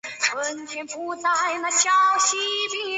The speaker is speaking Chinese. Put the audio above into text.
棕鳞肉刺蕨为鳞毛蕨科肉刺蕨属下的一个种。